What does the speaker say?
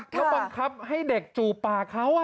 แล้วบังคับให้เด็กจูบปากเขา